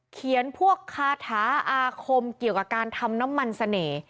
พวกคาถาอาคมเกี่ยวกับการทำน้ำมันเสน่ห์